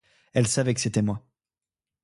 Elle savait que c'était moi.